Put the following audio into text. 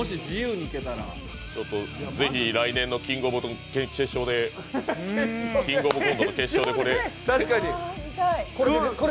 ぜひ来年の「キングオブコント」の決勝でこれ。